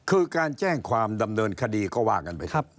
คือการแจ้งความดำเนินคดีก็ว่ากันไปครับ